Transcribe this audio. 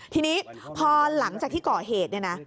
ทีนี้พอหลังจากที่เกาะเหตุ